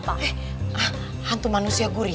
eh hantu manusia gurita